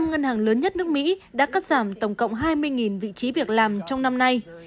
năm ngân hàng lớn nhất nước mỹ đã cắt giảm tổng cộng hai mươi vị trí việc làm trong năm nay